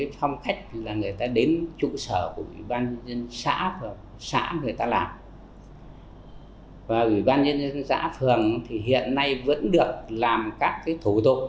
và ủy ban nhân dân xã phường hiện nay vẫn được làm các thủ tục